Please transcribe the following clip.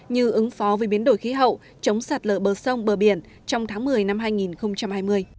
như ứng phó với biến đổi khí hậu chống sạt lỡ bờ sông bờ biển trong tháng một mươi năm hai nghìn hai mươi